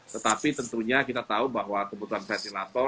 tetapi tentunya kita tahu bahwa kebutuhan ventilator